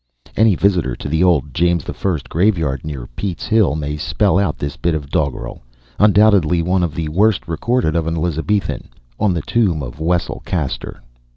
_" Any visitor to the old James the First graveyard near Peat's Hill may spell out this bit of doggerel, undoubtedly one of the worst recorded of an Elizabethan, on the tomb of Wessel Caster.